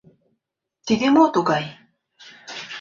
Тиде мо тугай?